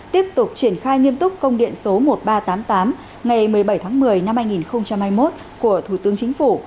tiếp tục triển khai nghiêm túc công điện số một nghìn ba trăm tám mươi tám ngày một mươi bảy tháng một mươi năm hai nghìn hai mươi một của thủ tướng chính phủ